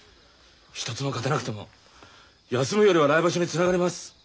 一つも勝てなくても休むよりは来場所につながります。